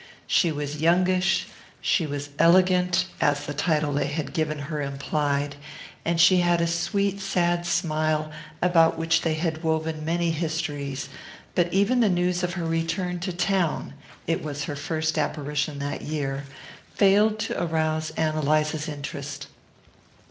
She was youngish, she was elegant (as the title they had given her implied), and she had a sweet sad smile about which they had woven many histories; but even the news of her return to town it was her first apparition that year failed to arouse Ann Eliza's interest.